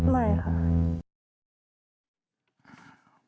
ไม่ค่ะ